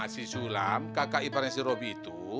si sulam kakak iparnya si robby itu